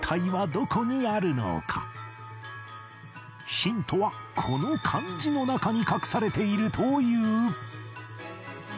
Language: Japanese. ヒントはこの漢字の中に隠されているという